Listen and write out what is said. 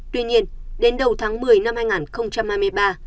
tuy nhiên đến đầu tháng một mươi năm hai nghìn hai mươi ba